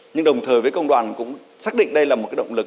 nhưng đồng thời với công đoàn cũng xác định đây là một động lực